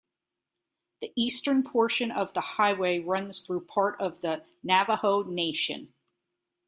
The eastern portion of the highway runs through part of the Navajo Nation.